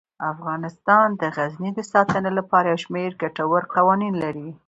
افغانستان د غزني د ساتنې لپاره یو شمیر ګټور قوانین لري.